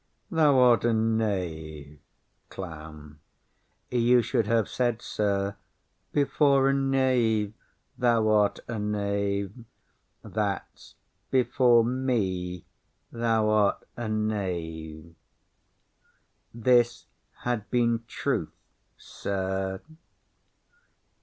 Thou art a knave. CLOWN. You should have said, sir, before a knave thou art a knave; that is before me thou art a knave. This had been truth, sir.